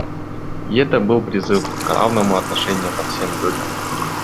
И это был призыв к равному отношению ко всем людям.